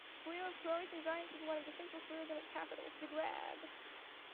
Square of Croatian Giants is one of the central squares in its capital -- Zagreb.